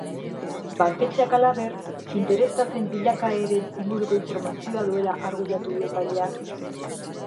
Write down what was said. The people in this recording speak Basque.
Banketxeak halaber, interes tasen bilakaeren inguruko informazioa duela argudiatu du epaileak.